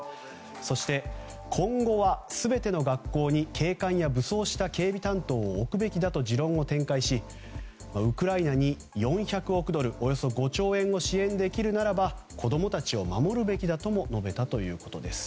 そして、今後は全ての学校に警官や武装した警備担当を置くべきだと持論を展開しウクライナに４００億ドルおよそ５兆円を支援できるならば子供たちを守るべきだとも述べたということです。